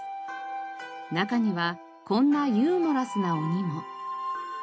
中にはこんなユーモラスな鬼も。